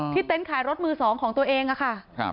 ที่เต้นขายรถมือสองของตัวเองอะค่ะ